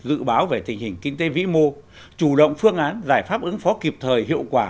dự báo về tình hình kinh tế vĩ mô chủ động phương án giải pháp ứng phó kịp thời hiệu quả